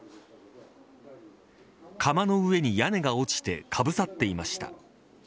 窯の上に屋根が落ちてかぶさってきました。